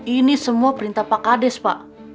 ini semua perintah pak kades pak